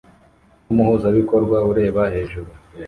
numuhuzabikorwa ureba hejuru